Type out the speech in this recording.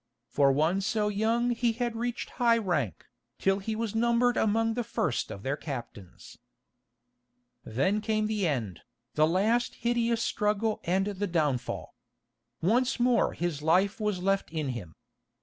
For one so young he had reached high rank, till he was numbered among the first of their captains. Then came the end, the last hideous struggle and the downfall. Once more his life was left in him.